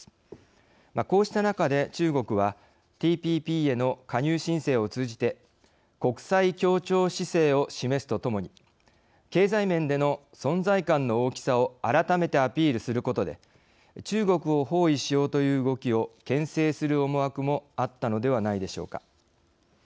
こうした中で中国はＴＰＰへの加入申請を通じて国際協調姿勢を示すとともに経済面での存在感の大きさを改めてアピールすることで中国を包囲しようという動きをけん制する思惑もあったのではないでしょうか。